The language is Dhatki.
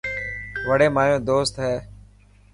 وڙي مايو دوست هي.